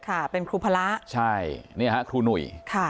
ค่ะเป็นครูพระใช่นี่ครับครูหนุ่ย